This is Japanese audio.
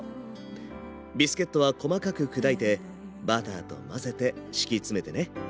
ビスケットは細かく砕いてバターと混ぜて敷き詰めてね。